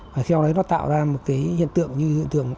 và theo đấy nó tạo ra một cái hiện tượng như hiện tượng